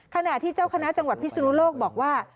ขณะที่เจ้าคณะจังหวัดพิศนุโลกบอกว่า